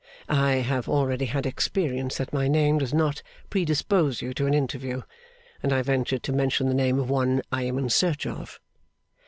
I have already had experience that my name does not predispose you to an interview; and I ventured to mention the name of one I am in search of.